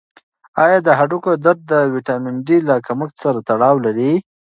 آیا د هډوکو درد د ویټامین ډي له کمښت سره تړاو لري؟